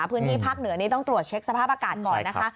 พื้นที่ภาคเหนือนี้ต้องตรวจเช็คสภาพอากาศก่อนนะคะ